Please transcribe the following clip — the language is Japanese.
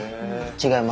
違います。